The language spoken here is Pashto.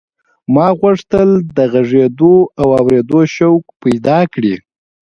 ما غوښتل هغه د غږېدو او اورېدو شوق پیدا کړي